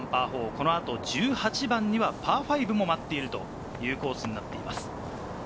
このあと１８番にはパー５も待っているというコースになっています。